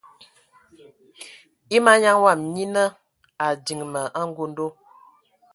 E manyaŋ wɔm nyina a diŋ ma angondo.